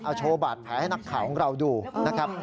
เอาโชว์บาดแผลให้นักข่าวของเราดูนะครับ